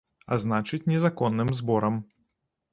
А значыць, незаконным зборам.